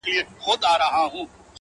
سترگه وره مي په پت باندي پوهېږي،